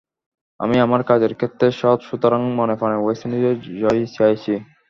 আমি আমার কাজের ক্ষেত্রে সৎ, সুতরাং মনেপ্রাণে ওয়েস্ট ইন্ডিজের জয়ই চাইছি।